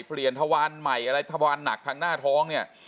ทวารใหม่อะไรทวารหนักทางหน้าท้องเนี่ย